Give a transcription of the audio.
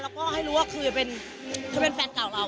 แล้วก็ให้รู้ว่าคือเป็นแฟนเก่าเรา